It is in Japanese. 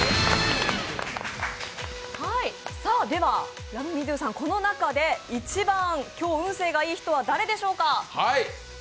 では、ＬｏｖｅＭｅＤｏさん、この中で一番、今日運勢がいい人は誰でしょうか？